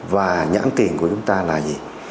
và nhãn tiền của chúng ta là gì